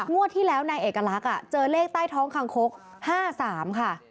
งวดที่แล้วนายเอกลักษณ์เจอเลขใต้ท้องคางคก๕๓ค่ะ